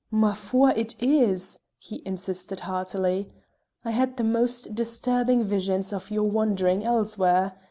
"Ma foi! it is," he insisted heartily. "I had the most disturbing visions of your wandering elsewhere.